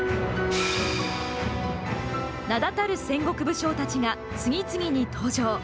名だたる戦国武将たちが次々に登場。